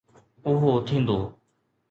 اهو ٿيندو.